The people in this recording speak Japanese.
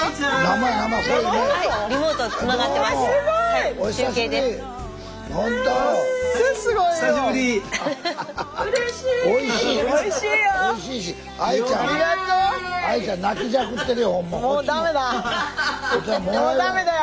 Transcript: もうダメだよ